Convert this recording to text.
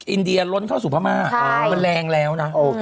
อินเดียล้นเข้าสู่พม่ามันแรงแล้วนะ